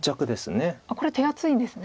これ手厚いんですね。